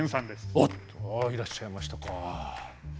おっああいらっしゃいましたか。